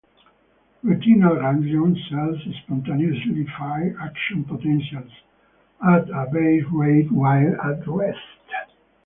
Retinal ganglion cells spontaneously fire action potentials at a base rate while at rest.